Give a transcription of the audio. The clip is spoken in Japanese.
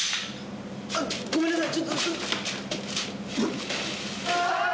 あっ、ごめんなさい。